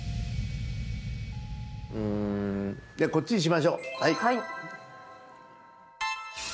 うーんこっちにしましょう。